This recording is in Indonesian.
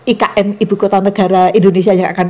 ikn ibu kota negara indonesia yang akan